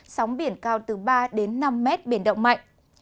sóng biển cao từ ba đến năm mét biển động mạnh